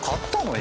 今。